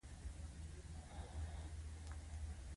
د سبزیو اوبه کول منظم ترسره کړئ.